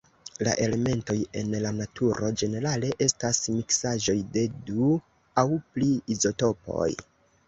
La elementoj en la naturo ĝenerale estas miksaĵoj de du aŭ pli izotopoj.